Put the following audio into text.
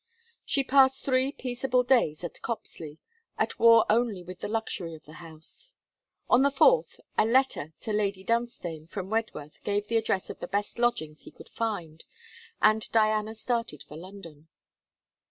She passed three peaceable days at Copsley, at war only with the luxury of the house. On the fourth, a letter to Lady Dunstane from Redworth gave the address of the best lodgings he could find, and Diana started for London.